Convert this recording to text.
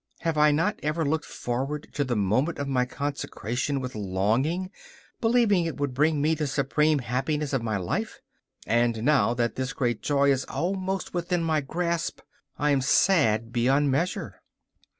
Have I not ever looked forward to the moment of my consecration with longing, believing it would bring me the supreme happiness of my life? And now that this great joy is almost within my grasp, I am sad beyond measure.